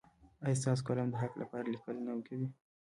ایا ستاسو قلم د حق لپاره لیکل نه کوي؟